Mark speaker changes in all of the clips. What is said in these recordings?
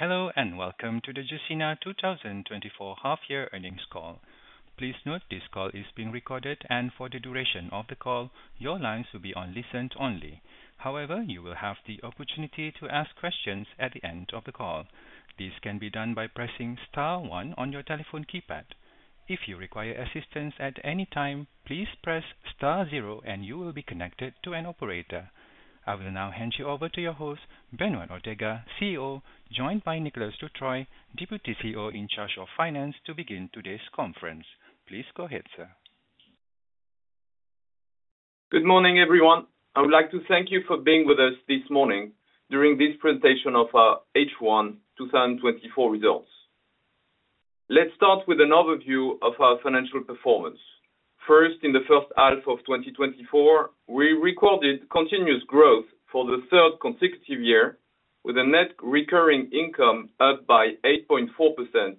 Speaker 1: Hello, and welcome to the Gecina 2024 half-year earnings call. Please note this call is being recorded, and for the duration of the call, your lines will be on listen only. However, you will have the opportunity to ask questions at the end of the call. This can be done by pressing star one on your telephone keypad. If you require assistance at any time, please press star zero, and you will be connected to an operator. I will now hand you over to your host, Beñat Ortega, CEO, joined by Nicolas Dutreuil, Deputy CEO in charge of Finance, to begin today's conference. Please go ahead, sir.
Speaker 2: Good morning, everyone. I would like to thank you for being with us this morning during this presentation of our H1 2024 results. Let's start with an overview of our financial performance. First, in the first half of 2024, we recorded continuous growth for the third consecutive year, with a net recurring income up by 8.4%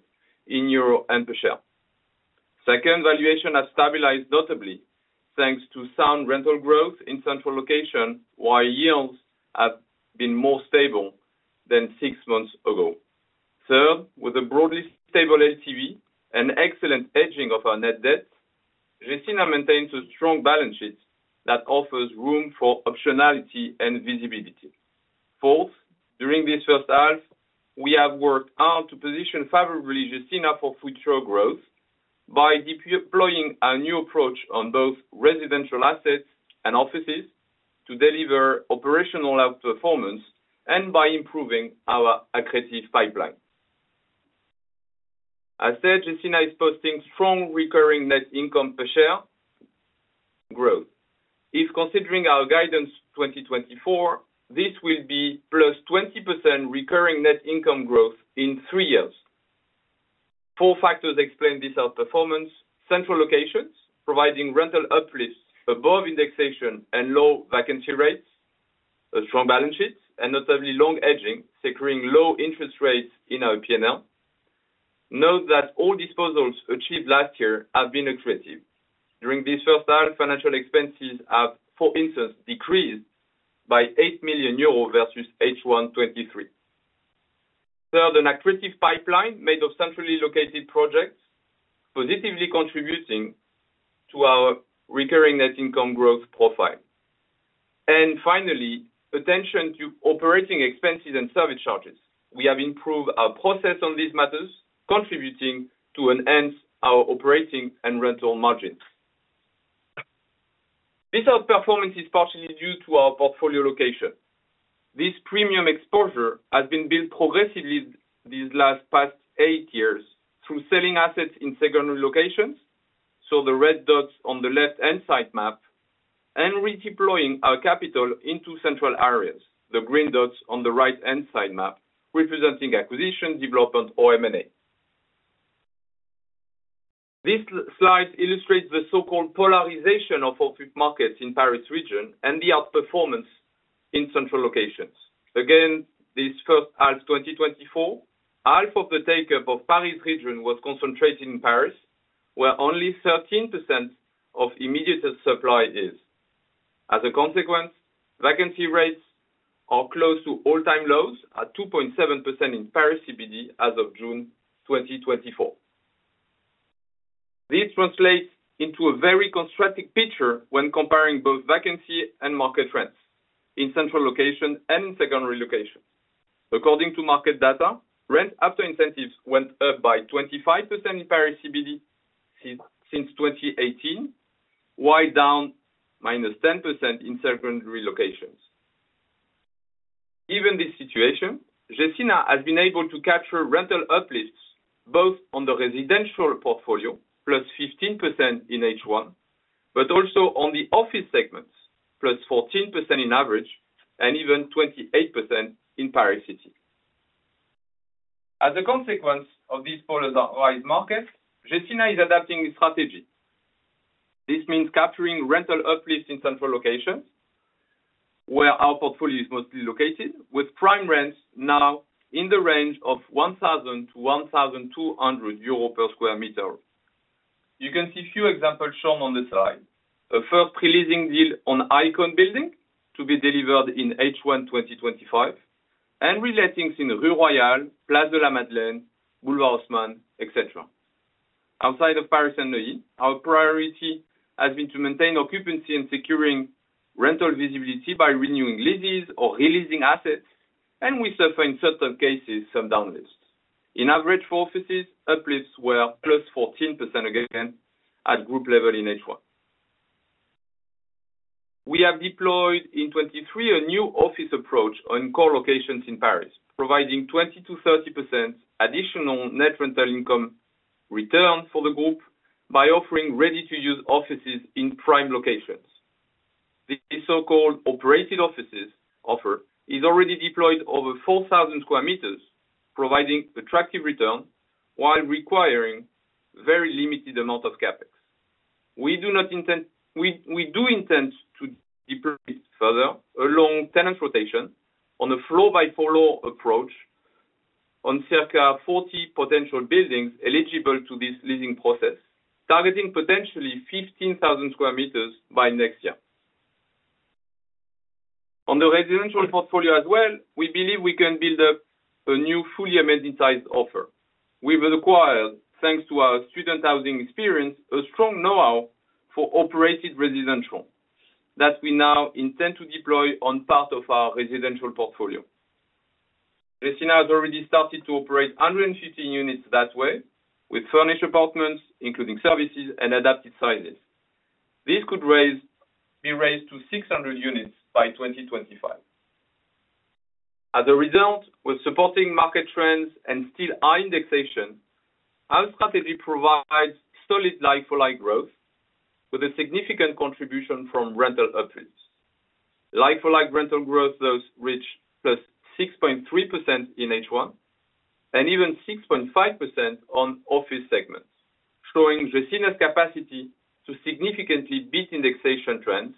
Speaker 2: in euro and per share. Second, valuation has stabilized notably, thanks to sound rental growth in central location, while yields have been more stable than six months ago. Third, with a broadly stable LTV and excellent aging of our net debt, Gecina maintains a strong balance sheet that offers room for optionality and visibility. Fourth, during this first half, we have worked hard to position Gecina now for future growth by deploying a new approach on both residential assets and offices to deliver operational outperformance and by improving our accretive pipeline. As said, Gecina is posting strong recurring net income per share growth. If considering our guidance 2024, this will be +20% recurring net income growth in three years. Four factors explain this outperformance. Central locations, providing rental uplifts above indexation and low vacancy rates, a strong balance sheet, and notably long hedging, securing low-interest rates in our P&L. Note that all disposals achieved last year have been accretive. During this first half, financial expenses have, for instance, decreased by 8 million euros versus H1 2023. Third, an accretive pipeline made of centrally located projects, positively contributing to our recurring net income growth profile. Finally, attention to operating expenses and service charges. We have improved our process on these matters, contributing to enhance our operating and rental margins. This outperformance is partially due to our portfolio location. This premium exposure has been built progressively these last past eight years through selling assets in secondary locations, so the red dots on the left-hand side map, and redeploying our capital into central areas, the green dots on the right-hand side map, representing acquisition, development, or M&A. This slide illustrates the so-called polarization of office markets in Paris region and the outperformance in central locations. Again, this first half 2024, half of the takeup of Paris region was concentrated in Paris, where only 13% of immediate supply is. As a consequence, vacancy rates are close to all-time lows at 2.7% in Paris CBD as of June 2024. This translates into a very contrasting picture when comparing both vacancy and market trends in central location and secondary locations. According to market data, rent after incentives went up by 25% in Paris CBD since 2018, while down -10% in secondary locations. Given this situation, Gecina has been able to capture rental uplifts, both on the residential portfolio, +15% in H1, but also on the office segments, +14% in average and even 28% in Paris City. As a consequence of this polarized market, Gecina is adapting its strategy. This means capturing rental uplifts in central locations where our portfolio is mostly located, with prime rents now in the range of 1000-1200 euro per sq m. You can see a few examples shown on the slide. A first pre-leasing deal on Icône building to be delivered in H1 2025, and relettings in Rue Royale, Place de la Madeleine, Boulevard Haussmann, et cetera. Outside of Paris and Neuilly, our priority has been to maintain occupancy and securing rental visibility by renewing leases or re-leasing assets, and we suffer in certain cases, some downlifts. On average for offices, uplifts were +14% again at group level in H1. We have deployed in 2023 a new office approach on core locations in Paris, providing 20%-30% additional net rental income return for the group by offering ready-to-use offices in prime locations. This so-called operated offices offer is already deployed over 4,000 square meters, providing attractive return while requiring very limited amount of CapEx. We do intend to deploy this further along tenant rotation on a floor-by-floor approach on circa 40 potential buildings eligible to this leasing process, targeting potentially 15,000 square meters by next year. On the residential portfolio as well, we believe we can build up a new, fully amenitized offer. We've acquired, thanks to our student housing experience, a strong know-how for operated residential, that we now intend to deploy on part of our residential portfolio. Gecina has already started to operate 150 units that way, with furnished apartments, including services and adapted sizes. This could be raised to 600 units by 2025. As a result, with supporting market trends and still high indexation, our strategy provides solid like-for-like growth with a significant contribution from rental upwards. Like-for-like rental growth, those reach +6.3% in H1, and even 6.5% on office segments, showing Gecina's capacity to significantly beat indexation trends,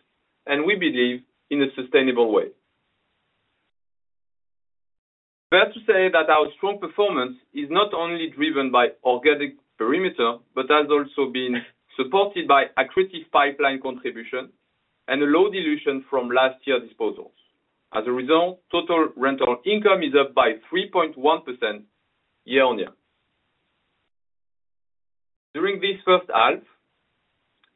Speaker 2: and we believe in a sustainable way. Fair to say that our strong performance is not only driven by organic perimeter, but has also been supported by accretive pipeline contribution and a low dilution from last year's disposals. As a result, total rental income is up by 3.1% year-on-year. During this first half,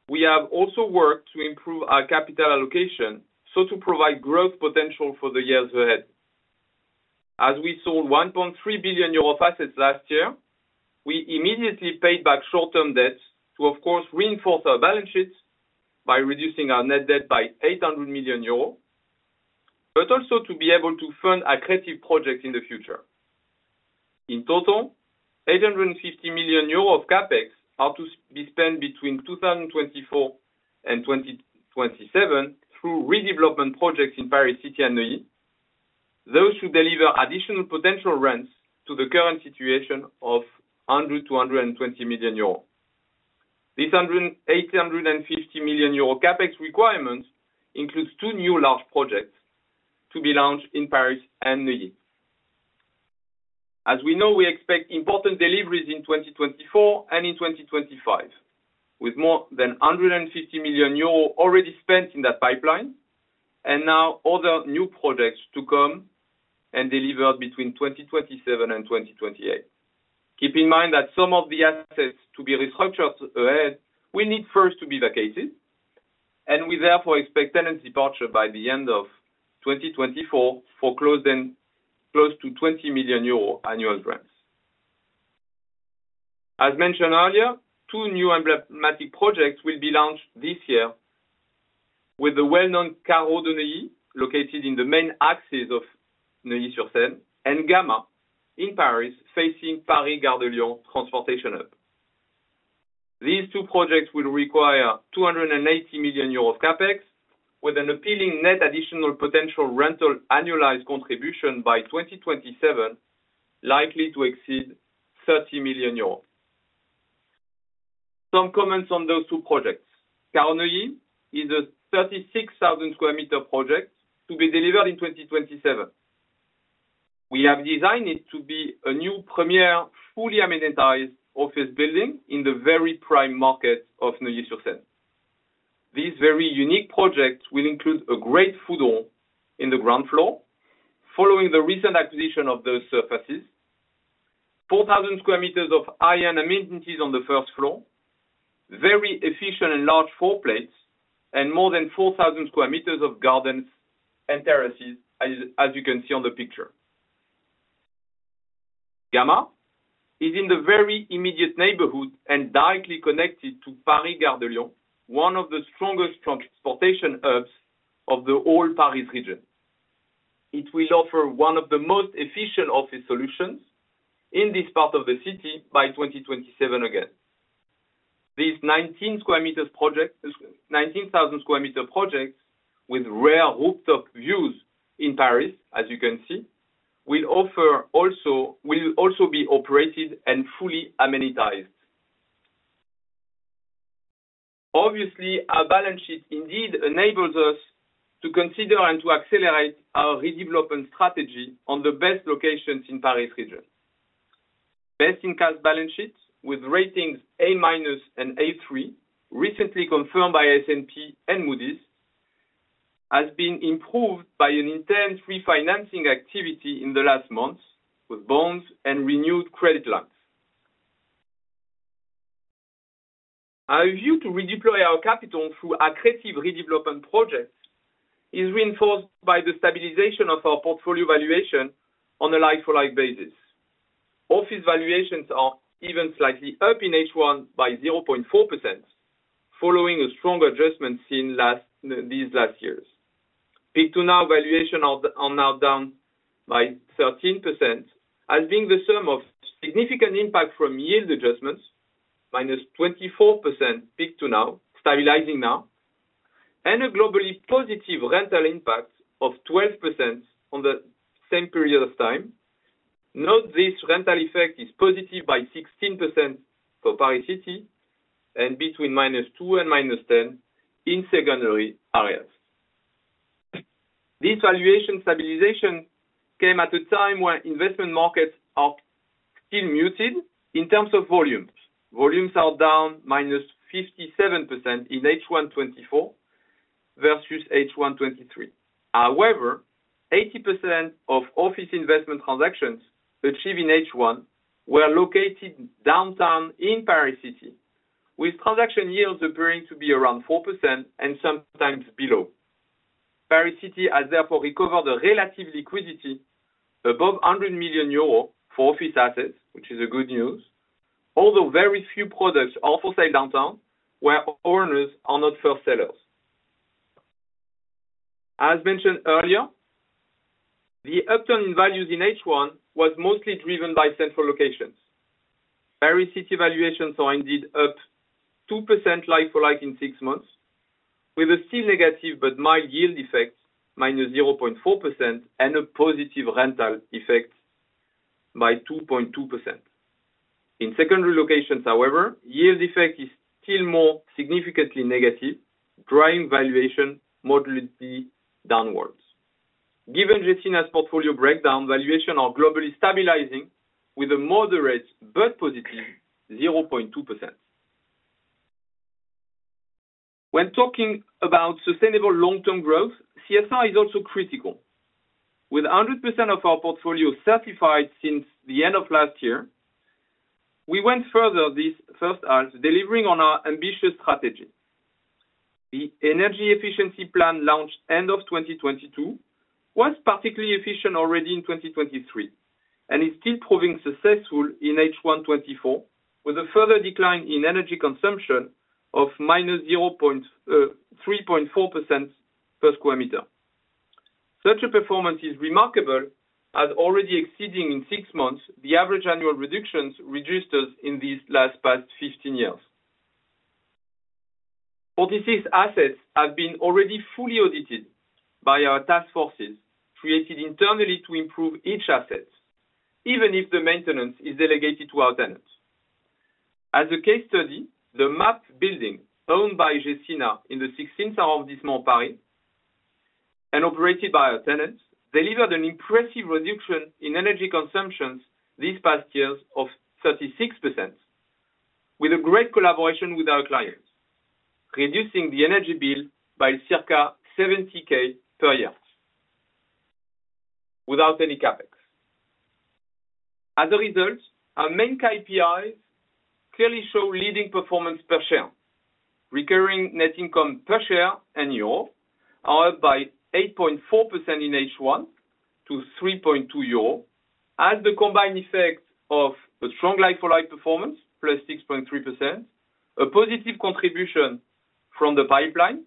Speaker 2: we have also worked to improve our capital allocation, so to provide growth potential for the years ahead. As we sold 1.3 billion euro of assets last year, we immediately paid back short-term debts to, of course, reinforce our balance sheets by reducing our net debt by 800 million euros, but also to be able to fund accretive projects in the future. In total, 850 million euros of CapEx are to be spent between 2024 and 2027 through redevelopment projects in Paris City and Neuilly. Those who deliver additional potential rents to the current situation of 100 million-120 million euros. This eight hundred and fifty million euro CapEx requirements includes two new large projects to be launched in Paris and Neuilly. As we know, we expect important deliveries in 2024 and in 2025, with more than 150 million euros already spent in that pipeline, and now other new projects to come and deliver between 2027 and 2028. Keep in mind that some of the assets to be restructured ahead, will need first to be vacated, and we therefore expect tenant departure by the end of 2024 for closing close to 20 million euro annual rents. As mentioned earlier, two new emblematic projects will be launched this year, with the well-known Carré de Neuilly, located in the main axis of Neuilly-sur-Seine, and Gamma in Paris, facing Paris Gare de Lyon transportation hub. These two projects will require 280 million euros of CapEx, with an appealing net additional potential rental annualized contribution by 2027, likely to exceed 30 million euros. Some comments on those two projects. Carré de Neuilly is a 36,000 square meter project to be delivered in 2027. We have designed it to be a new premier, fully amenitized office building in the very prime market of Neuilly-sur-Seine. These very unique projects will include a great food hall in the ground floor, following the recent acquisition of those surfaces, 4,000 sq m of high-end amenities on the first floor, very efficient and large floor plates, and more than 4,000 sq m of gardens and terraces, as you can see on the picture. Gamma is in the very immediate neighborhood and directly connected to Paris Gare de Lyon, one of the strongest transportation hubs of the whole Paris region. It will offer one of the most efficient office solutions in this part of the city by 2027 again. These 19 sq m project—19,000 sq m project, with rare rooftop views in Paris, as you can see, will offer also—will also be operated and fully amenitized. Obviously, our balance sheet indeed enables us to consider and to accelerate our redevelopment strategy on the best locations in Paris region. Best-in-class balance sheets, with ratings A-minus and A3, recently confirmed by S&P and Moody's, has been improved by an intense refinancing activity in the last months, with bonds and renewed credit lines. Our view to redeploy our capital through aggressive redevelopment projects is reinforced by the stabilization of our portfolio valuation on a like-for-like basis. Office valuations are even slightly up in H1 by 0.4%, following a strong adjustment seen these last years. Peak-to-now valuations are now down by 13%, as being the sum of significant impact from yield adjustments, -24% peak to now, stabilizing now, and a globally positive rental impact of 12% on the same period of time. Note, this rental effect is positive by 16% for Paris City and between -2% and -10% in secondary areas. This valuation stabilization came at a time when investment markets are still muted in terms of volumes. Volumes are down -57% in H1 2024 versus H1 2023. However, 80% of office investment transactions achieved in H1 were located downtown in Paris City, with transaction yields appearing to be around 4% and sometimes below. Paris City has therefore recovered a relative liquidity above 100 million euro for office assets, which is a good news, although very few products are for sale downtown, where owners are not for sellers. As mentioned earlier, the upturn in values in H1 was mostly driven by central locations. Paris City valuations are indeed up 2% like-for-like in six months, with a still negative but mild yield effect, minus 0.4%, and a positive rental effect by 2.2%. In secondary locations, however, yield effect is still more significantly negative, driving valuation moderately downwards. Given Gecina's portfolio breakdown, valuations are globally stabilizing with a moderate but positive 0.2%. When talking about sustainable long-term growth, CSR is also critical. With 100% of our portfolio certified since the end of last year, we went further this first half, delivering on our ambitious strategy. The energy efficiency plan launched end of 2022 was particularly efficient already in 2023, and is still proving successful in H1 2024, with a further decline in energy consumption of minus 3.4% per square meter. Such a performance is remarkable, as already exceeding in 6 months the average annual reductions registered in these last past 15 years. 46 assets have been already fully audited by our task forces, created internally to improve each asset, even if the maintenance is delegated to our tenants. As a case study, the MAP building, owned by Gecina in the 16th arrondissement of Paris and operated by our tenants, delivered an impressive reduction in energy consumptions these past years of 36%, with a great collaboration with our clients, reducing the energy bill by circa 70K per year without any CapEx. As a result, our main KPIs clearly show leading performance per share. Recurring net income per share and euro, up by 8.4% in H1 to 3.2 euro, as the combined effect of a strong like-for-like performance, +6.3%, a positive contribution from the pipeline,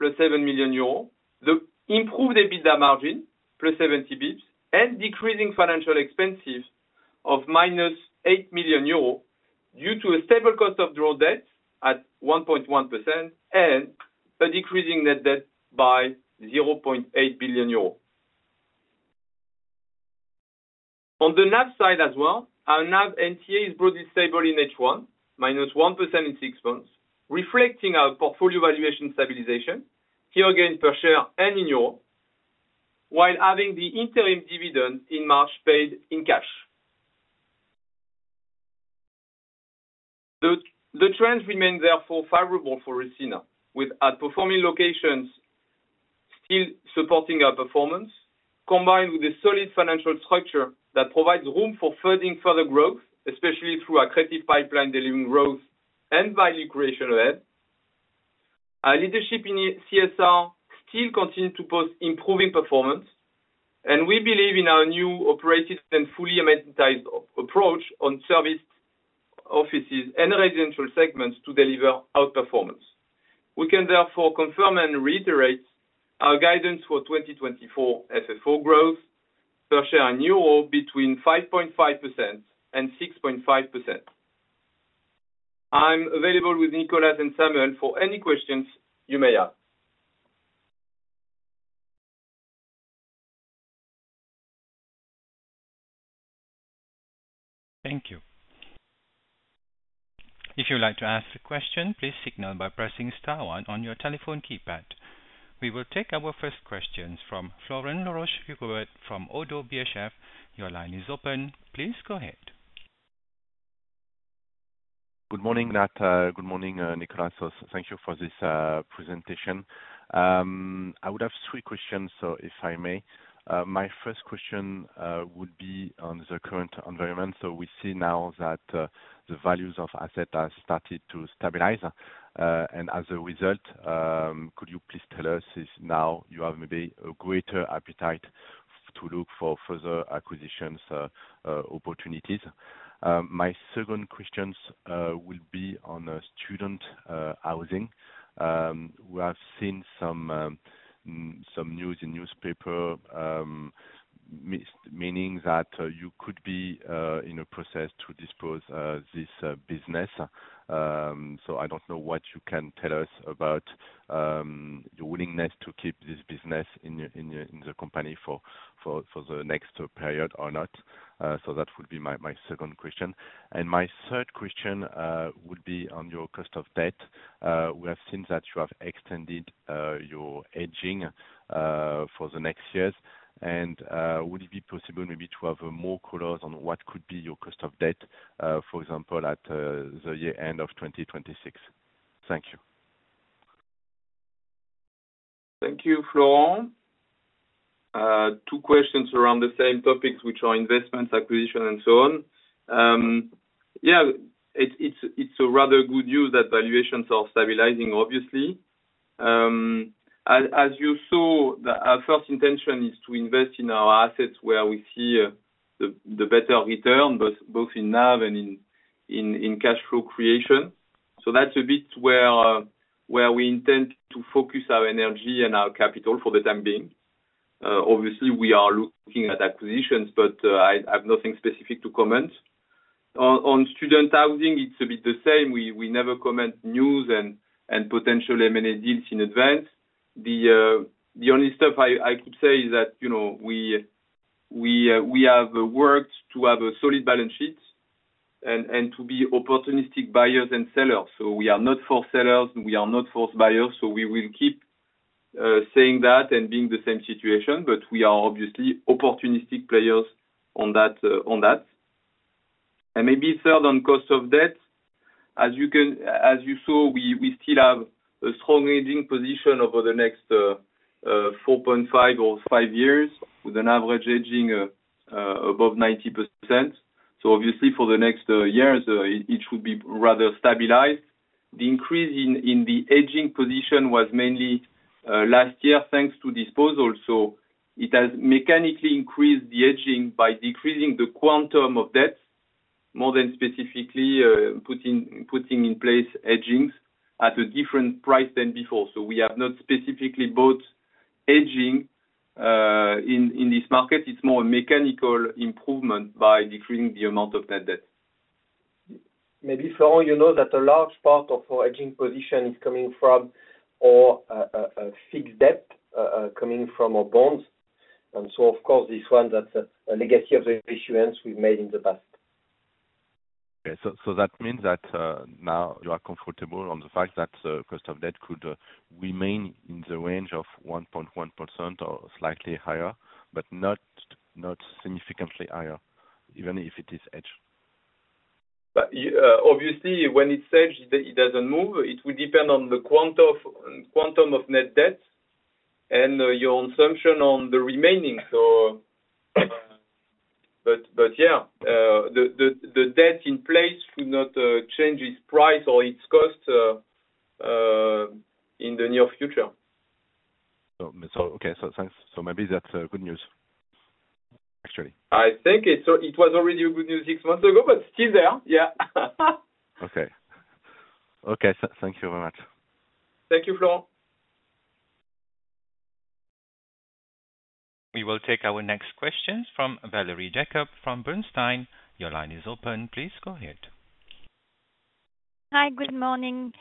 Speaker 2: +7 million euros. The improved EBITDA margin, +70 basis points, and decreasing financial expenses of -8 million euros, due to a stable cost of raw debt at 1.1% and a decreasing net debt by 0.8 billion euros. On the NAV side as well, our NAV NTA is broadly stable in H1, -1% in six months, reflecting our portfolio valuation stabilization, here again, per share and in euro, while having the interim dividend in March, paid in cash. The trends remain therefore favorable for Gecina, with outperforming locations still supporting our performance, combined with a solid financial structure that provides room for furthering further growth, especially through our creative pipeline, delivering growth and value creation ahead. Our leadership in CSR still continues to post improving performance, and we believe in our new operated and fully amenitized approach on serviced offices and residential segments to deliver outperformance. We can therefore confirm and reiterate our guidance for 2024 FFO growth, per share and euro between 5.5% and 6.5%. I'm available with Nicolas and Samuel for any questions you may have.
Speaker 1: Thank you. If you would like to ask a question, please signal by pressing star one on your telephone keypad. We will take our first questions from Florent Laroche-Joubert from Oddo BHF. Your line is open. Please go ahead.
Speaker 3: Good morning, Nat. Good morning, Nicolas. So thank you for this presentation. I would have three questions, so if I may. My first question would be on the current environment. So we see now that the values of asset have started to stabilize. And as a result, could you please tell us if now you have maybe a greater appetite to look for further acquisitions opportunities? My second questions will be on student housing. We have seen some news in newspaper meaning that you could be in a process to dispose this business. So I don't know what you can tell us about your willingness to keep this business in your company for the next period or not. So that would be my second question. My third question would be on your cost of debt. We have seen that you have extended your hedging for the next years. Would it be possible maybe to have more colors on what could be your cost of debt, for example, at the year-end of 2026? Thank you.
Speaker 2: Thank you, Florent. Two questions around the same topics, which are investments, acquisition, and so on. Yeah, it's a rather good news that valuations are stabilizing, obviously. As you saw, our first intention is to invest in our assets where we see the better return, both in NAV and in cash flow creation. So that's a bit where we intend to focus our energy and our capital for the time being. Obviously, we are looking at acquisitions, but I have nothing specific to comment. On student housing, it's a bit the same. We never comment news and potential M&A deals in advance. The only stuff I could say is that, you know, we have worked to have a solid balance sheet and to be opportunistic buyers and sellers. So we are not forced sellers, and we are not forced buyers, so we will keep saying that and being the same situation. But we are obviously opportunistic players on that. And maybe third, on cost of debt, as you saw, we still have a strong hedging position over the next 4.5 or 5 years, with an average hedging above 90%. So obviously for the next years, it should be rather stabilized. The increase in the hedging position was mainly last year, thanks to disposals. So it has mechanically increased the hedging by decreasing the quantum of debt, more than specifically putting in place hedgings at a different price than before. So we have not specifically bought hedging in this market. It's more a mechanical improvement by decreasing the amount of net debt.
Speaker 4: Maybe, Florent, you know that a large part of our aging position is coming from a fixed debt coming from our bonds. And so of course, this one that's a legacy of the issuance we've made in the past.
Speaker 3: Okay, so that means that now you are comfortable on the fact that cost of debt could remain in the range of 1.1% or slightly higher, but not significantly higher, even if it is edged?
Speaker 2: But, obviously, when it's edged, it doesn't move. It will depend on the quantum of net debt and your assumption on the remaining. So, but yeah, the debt in place would not change its price or its cost in the near future.
Speaker 3: So, okay. So thanks. So maybe that's good news, actually.
Speaker 2: I think it's so it was already a good news six months ago, but still there. Yeah.
Speaker 3: Okay. Okay, so thank you very much.
Speaker 2: Thank you, Florent.
Speaker 1: We will take our next questions from Valérie Jacob, from Bernstein. Your line is open. Please go ahead.
Speaker 5: Hi, good morning.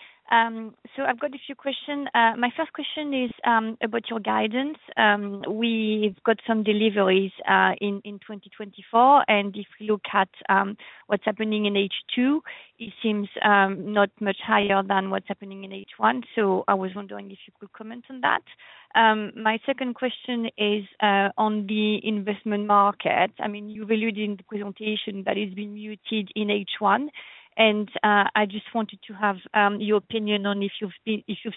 Speaker 5: So I've got a few questions. My first question is about your guidance. We've got some deliveries in 2024, and if you look at what's happening in H2, it seems not much higher than what's happening in H1. So I was wondering if you could comment on that. My second question is on the investment market. I mean, you've alluded in the presentation that it's been muted in H1, and I just wanted to have your opinion on if you've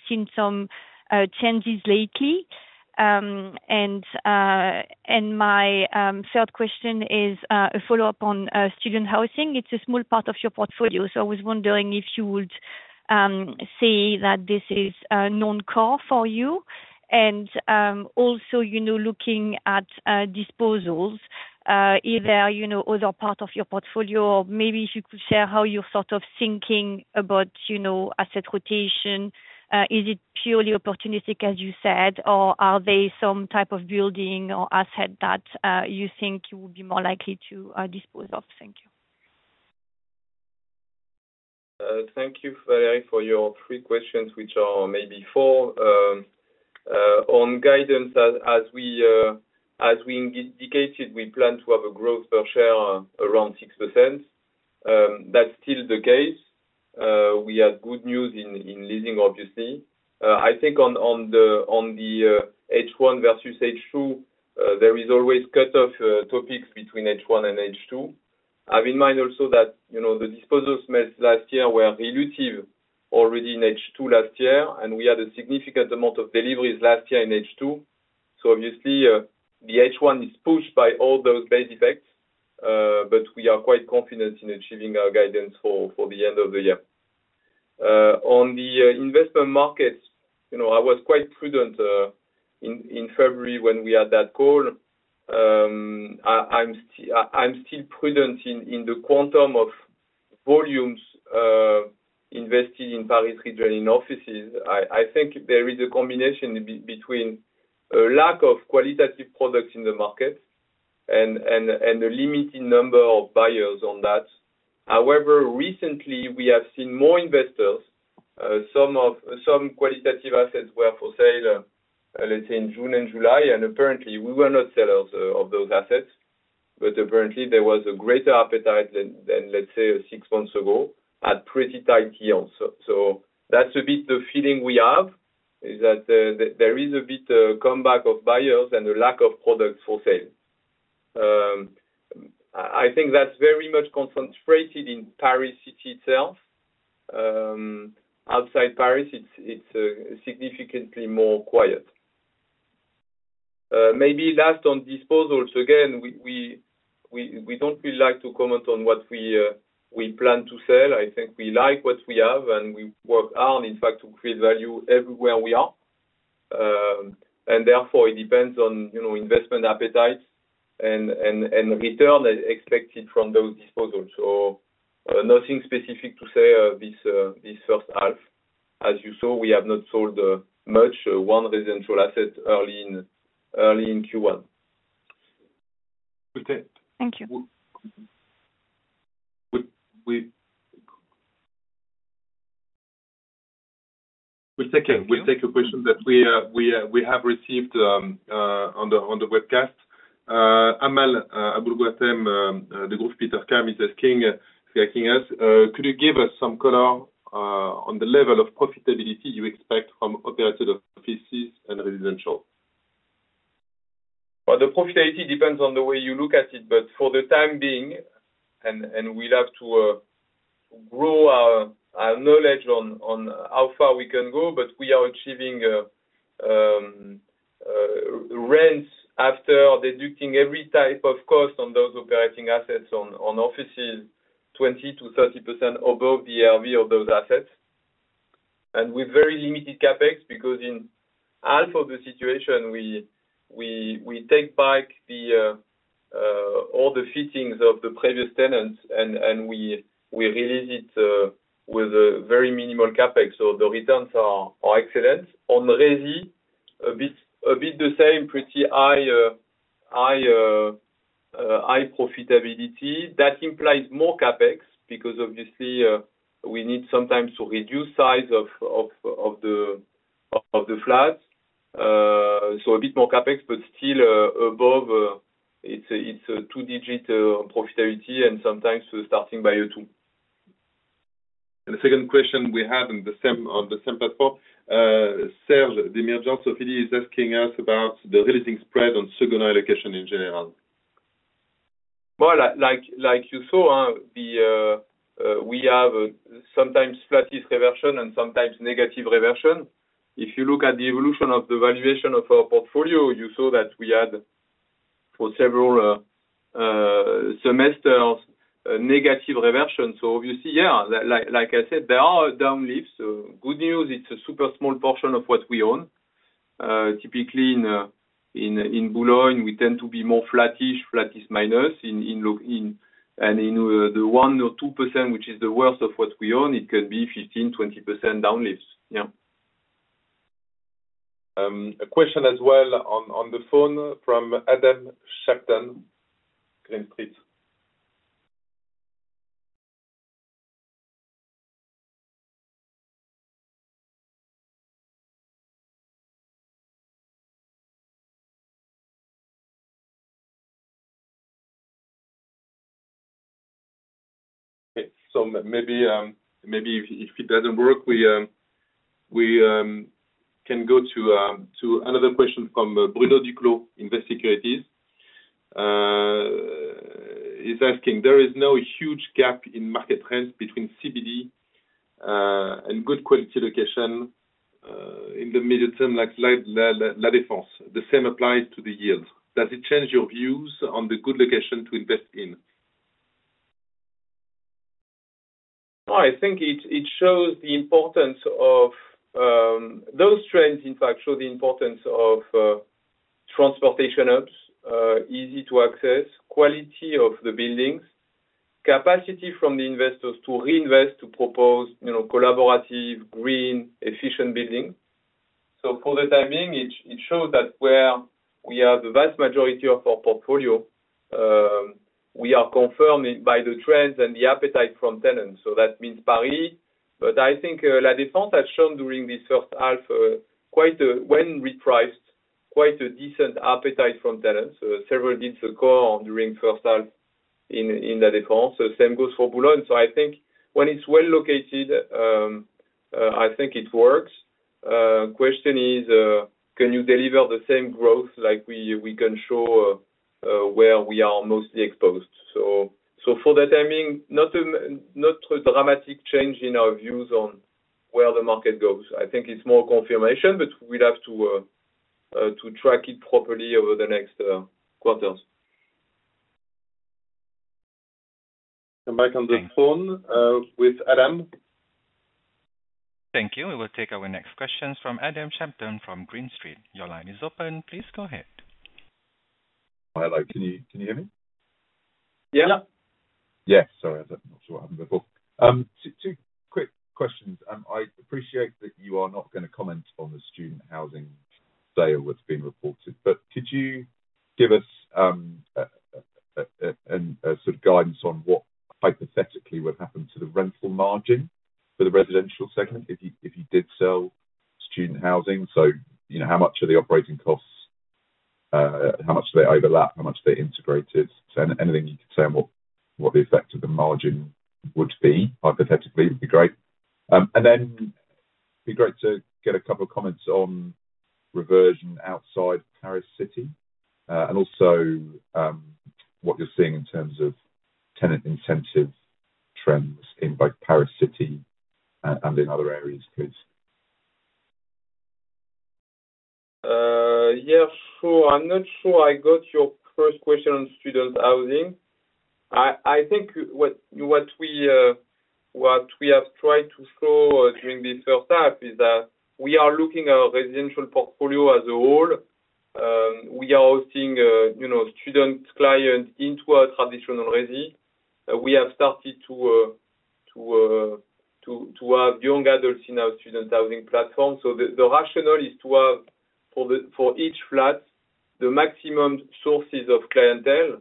Speaker 5: seen some changes lately. And my third question is a follow-up on student housing. It's a small part of your portfolio, so I was wondering if you would say that this is non-core for you. Also, you know, looking at disposals, either you know, other part of your portfolio, or maybe if you could share how you're sort of thinking about, you know, asset rotation. Is it purely opportunistic, as you said, or are they some type of building or asset that you think you would be more likely to dispose of? Thank you.
Speaker 2: Thank you, Valérie, for your three questions, which are maybe four. On guidance, as we indicated, we plan to have a growth per share around 6%. That's still the case. We had good news in leasing, obviously. I think on the H1 versus H2, there is always cut off topics between H1 and H2. Have in mind also that, you know, the disposal made last year were dilutive already in H2 last year, and we had a significant amount of deliveries last year in H2. So obviously, the H1 is pushed by all those base effects, but we are quite confident in achieving our guidance for the end of the year. On the investment markets, you know, I was quite prudent in February when we had that call. I'm still prudent in the quantum of volumes invested in Paris retail and offices. I think there is a combination between a lack of qualitative products in the market and a limiting number of buyers on that. However, recently we have seen more investors, some qualitative assets were for sale, let's say in June and July, and apparently we were not sellers of those assets, but apparently there was a greater appetite than let's say six months ago, at pretty tight yields. So that's a bit the feeling we have, is that there is a bit comeback of buyers and a lack of products for sale. I think that's very much concentrated in Paris City itself. Outside Paris, it's significantly more quiet. Maybe last on disposals, again, we don't really like to comment on what we plan to sell. I think we like what we have, and we work on, in fact, to create value everywhere we are. And therefore, it depends on, you know, investment appetite and return expected from those disposals. So, nothing specific to say, this first half. As you saw, we have not sold much, one residential asset early in Q1.
Speaker 6: Okay.
Speaker 5: Thank you.
Speaker 6: We'll take a question that we have received on the webcast. Amal Aboulkhouatam, Degroof Petercam is asking us, "Could you give us some color on the level of profitability you expect from operated offices and residential?
Speaker 2: Well, the profitability depends on the way you look at it, but for the time being, we'd have to grow our knowledge on how far we can go, but we are achieving rents after deducting every type of cost on those operating assets on offices, 20%-30% above the LTV of those assets. And with very limited CapEx, because in half of the situation, we take back all the fittings of the previous tenants, and we release it with a very minimal CapEx, so the returns are excellent. On resi, a bit the same, pretty high profitability. That implies more CapEx, because obviously, we need sometimes to reduce size of the flats. So a bit more CapEx, but still above, it's a, it's a two-digit profitability, and sometimes we're starting by year two.
Speaker 6: The second question we have in the same, on the same platform, Serge Demirdjian Sofidy is asking us about the releasing spread on secondary location in general.
Speaker 2: Well, like, like you saw on the, we have sometimes flattish reversion and sometimes negative reversion. If you look at the evolution of the valuation of our portfolio, you saw that we had, for several semesters, a negative reversion. So obviously, yeah, like, like I said, there are down lifts. So good news, it's a super small portion of what we own. Typically in Boulogne, we tend to be more flattish, flattish minus in the 1 or 2%, which is the worst of what we own, it could be 15, 20% down lifts. Yeah.
Speaker 6: A question as well on the phone from Adam Shelton, Green Street. Okay. So maybe if it doesn't work, we can go to another question from Bruno Duclos, Invest Securities. He's asking: There is no huge gap in market rents between CBD and good quality location in the medium term, like La Défense. The same applies to the yields. Does it change your views on the good location to invest in?
Speaker 2: I think it shows the importance of. Those trends, in fact, show the importance of transportation hubs, easy to access, quality of the buildings, capacity from the investors to reinvest, to propose, you know, collaborative, green, efficient building. So for the time being, it shows that where we have the vast majority of our portfolio, we are confirming by the trends and the appetite from tenants, so that means Paris. But I think La Défense has shown during this first half, quite a, when repriced, quite a decent appetite from tenants. So several deals were gone during first half in La Défense. So same goes for Boulogne. So I think when it's well located, I think it works. Question is, can you deliver the same growth like we can show, where we are mostly exposed? So for the time being, not a dramatic change in our views on where the market goes. I think it's more confirmation, but we'd have to track it properly over the next quarters.
Speaker 6: I'm back on the phone. with Adam.
Speaker 1: Thank you. We will take our next question from Adam Shelton from Green Street. Your line is open. Please go ahead.
Speaker 7: Hello, can you, can you hear me?
Speaker 2: Yeah.
Speaker 7: Yeah. Sorry, I'm not sure what happened before. Two quick questions. I appreciate that you are not gonna comment on the student housing sale that's been reported, but could you give us a sort of guidance on what hypothetically would happen to the rental margin for the residential segment, if you did sell student housing? So, you know, how much are the operating costs, how much do they overlap? How much are they integrated? So anything you could say on what the effect of the margin would be, hypothetically, would be great. It'd be great to get a couple comments on reversion outside Paris City, and also, what you're seeing in terms of tenant incentive trends in both Paris City and in other areas, please.
Speaker 2: Yeah, so I'm not sure I got your first question on student housing. I think what we have tried to show during this first half is that we are looking at our residential portfolio as a whole. We are hosting, you know, student clients into our traditional resi. We have started to have young adults in our student housing platform. So the rationale is to have for each flat, the maximum sources of clientele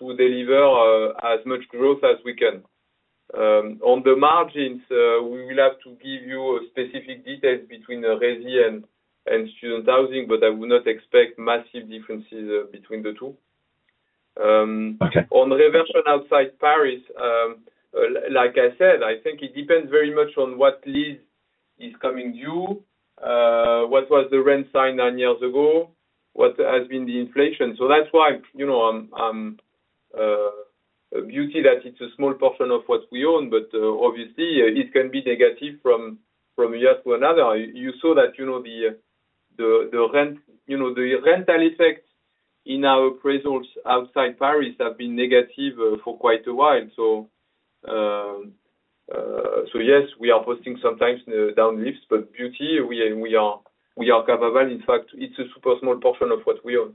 Speaker 2: to deliver as much growth as we can. On the margins, we will have to give you specific details between the resi and student housing, but I would not expect massive differences between the two.
Speaker 7: Okay.
Speaker 2: On reversion outside Paris, like I said, I think it depends very much on what lease is coming due, what was the rent signed nine years ago, what has been the inflation. So that's why, you know, but it's a small portion of what we own, but obviously it can be negative from year to year. You saw that, you know, the rental effects in our appraisals outside Paris have been negative for quite a while. So yes, we are posting sometimes down lifts, but it's, we are capable. In fact, it's a super small portion of what we own.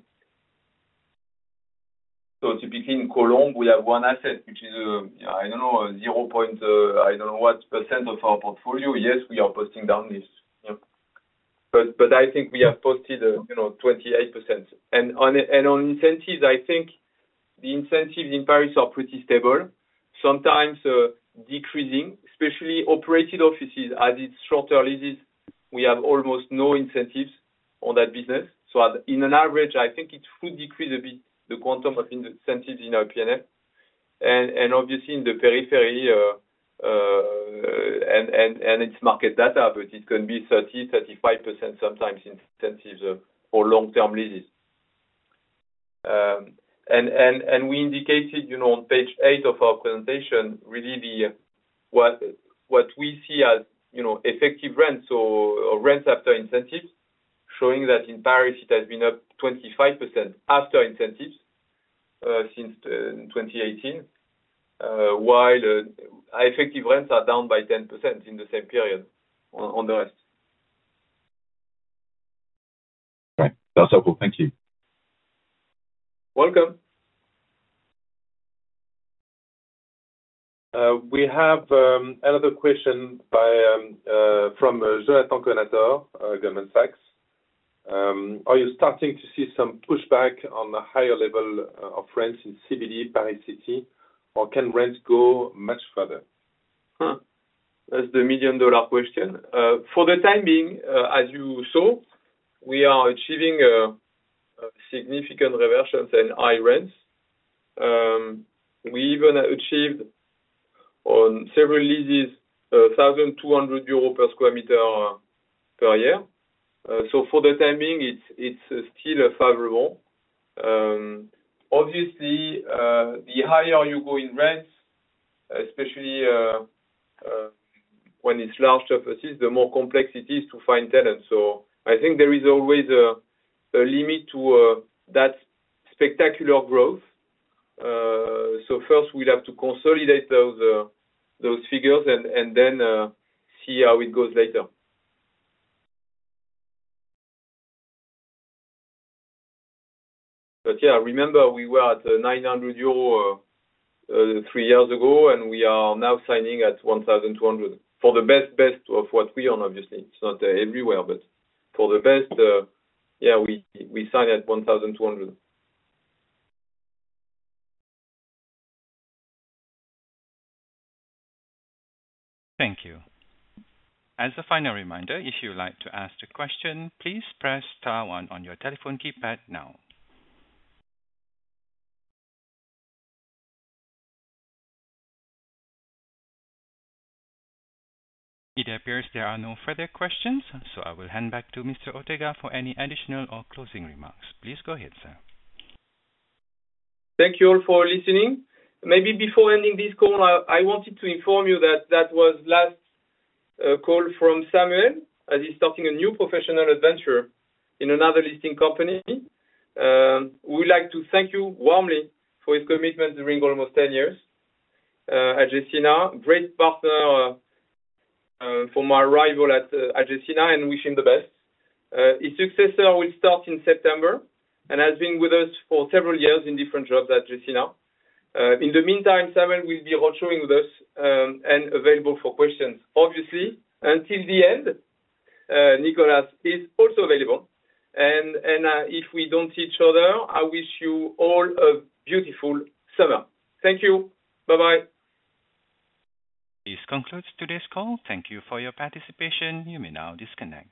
Speaker 2: So typically in Colombes, we have one asset, which is, I don't know, zero point, I don't know what % of our portfolio. Yes, we are posting down this. Yeah. But I think we have posted, you know, 28%. And on incentives, I think the incentives in Paris are pretty stable, sometimes decreasing, especially operated offices. As it's shorter leases, we have almost no incentives on that business. So in an average, I think it will decrease a bit, the quantum of incentives in our P&L. And obviously in the periphery, and its market data, but it can be 30%-35%, sometimes incentives for long-term leases. And we indicated, you know, on page 8 of our presentation, really the—what we see as, you know, effective rents or rents after incentives, showing that in Paris it has been up 25% after incentives, since 2018. While effective rents are down by 10% in the same period on the rest.
Speaker 7: Right. That's helpful. Thank you.
Speaker 2: Welcome.
Speaker 6: We have another question from Jonathan Kownator, Goldman Sachs. Are you starting to see some pushback on the higher level of rents in CBD, Paris City, or can rents go much further?
Speaker 2: Huh. That's the million-dollar question. For the time being, as you saw, we are achieving significant reversions and high rents. We even achieved on several leases 1,200 euros per square meter per year. So for the time being, it's still favorable. Obviously, the higher you go in rents, especially when it's large offices, the more complex it is to find tenants. So I think there is always a limit to that spectacular growth. So first we'd have to consolidate those figures and then see how it goes later. But yeah, remember we were at 900 euro three years ago, and we are now signing at 1,200. or the best, best of what we own, obviously, it's not everywhere, but for the best, yeah, we, we sign at 1,200.
Speaker 1: Thank you. As a final reminder, if you would like to ask a question, please press star one on your telephone keypad now. It appears there are no further questions, so I will hand back to Mr. Ortega for any additional or closing remarks. Please go ahead, sir.
Speaker 2: Thank you all for listening. Maybe before ending this call, I wanted to inform you that that was last call from Samuel, as he's starting a new professional adventure in another listed company. We would like to thank you warmly for his commitment during almost ten years at Gecina. Great partner for my arrival at Gecina, and wish him the best. His successor will start in September and has been with us for several years in different jobs at Gecina. In the meantime, Samuel will be roadshowing with us, and available for questions. Obviously, until the end, Nicolas is also available, and if we don't see each other, I wish you all a beautiful summer. Thank you. Bye-bye.
Speaker 1: This concludes today's call. Thank you for your participation. You may now disconnect.